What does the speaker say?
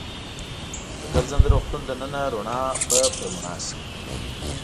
د ګرځنده روغتون دننه رڼا به په رڼا شي.